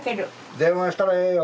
電話したらええよ。